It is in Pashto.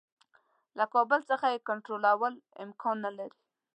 له کابل څخه یې کنټرولول امکان نه لري.